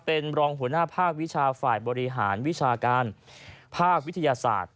เป็นรองหัวหน้าภาควิชาฝ่ายบริหารวิชาการภาควิทยาศาสตร์